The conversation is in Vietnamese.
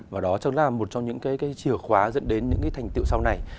và đó chính là một trong những cái chìa khóa dẫn đến những cái thành tiệu sau này